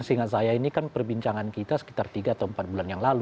seingat saya ini kan perbincangan kita sekitar tiga atau empat bulan yang lalu